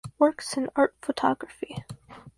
Works in art photography.